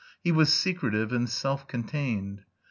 He was secretive and self contained.